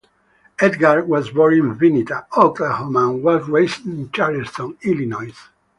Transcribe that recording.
Edgar was born in Vinita, Oklahoma and was raised in Charleston, Illinois.